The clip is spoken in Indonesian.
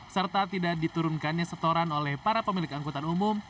serta tidak diturunkannya setoran oleh para pemilik angkutan umum